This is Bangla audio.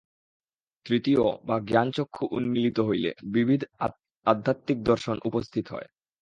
তৃতীয় বা জ্ঞানচক্ষু উন্মীলিত হইলে বিবিধ আধ্যাত্মিক দর্শন উপস্থিত হয়।